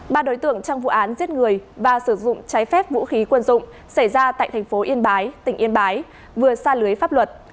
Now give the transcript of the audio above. ba đối tượng trong vụ án giết người và sử dụng trái phép vũ khí quân dụng xảy ra tại thành phố yên bái tỉnh yên bái vừa xa lưới pháp luật